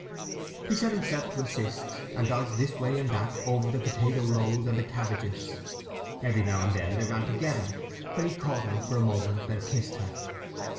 He set himself to assist, and dodged this way and that over the potato rows and the cabbages. Every now and then they ran together, when he caught her for a moment and kissed her.